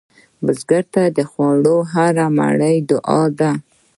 بزګر ته د خوړو هره مړۍ دعا ده